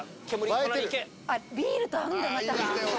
ビールと合うんだ、また。